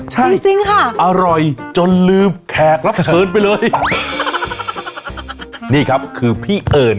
คุณกะอิ่มไปเลยเยอะเนี้ย